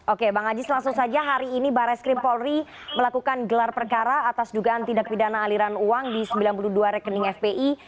oke bang ajis langsung saja hari ini barres krim polri melakukan gelar perkara atas dugaan tindak pidana aliran uang di sembilan puluh dua rekening fpi